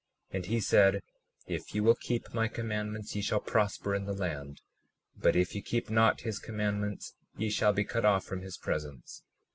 And he said: If ye will keep my commandments ye shall prosper in the land—but if ye keep not his commandments ye shall be cut off from his presence.